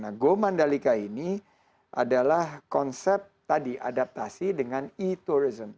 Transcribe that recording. nah go mandalika ini adalah konsep tadi adaptasi dengan e tourism